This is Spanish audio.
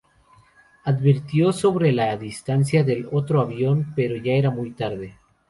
Advirtió sobre la distancia del otro avión, pero ya era muy tarde.